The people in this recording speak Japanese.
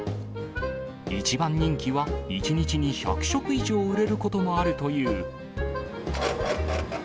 一番人気は、１日に１００食以上売れることもあるという。